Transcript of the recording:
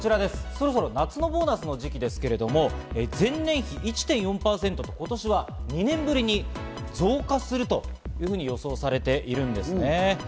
そろそろ夏のボーナスの時期ですが、前年比１．４％と、今年は２年ぶりに増加すると予想されているんですね。